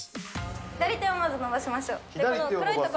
左手をまず伸ばしましょう。